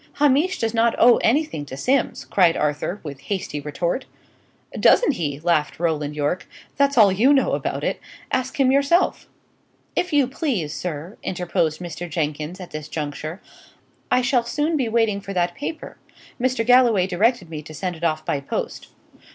"Hamish does not owe anything to Simms!" cried Arthur, with hasty retort. "Doesn't he?" laughed Roland Yorke. "That's all you know about it. Ask him yourself." "If you please, sir," interposed Mr. Jenkins, at this juncture, "I shall soon be waiting for that paper. Mr. Galloway directed me to send it off by post."